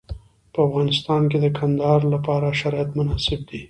په افغانستان کې د کندهار لپاره شرایط مناسب دي.